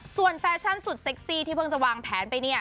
ส่วนแฟชั่นสุดเซ็กซี่ที่เพิ่งจะวางแผนไปเนี่ย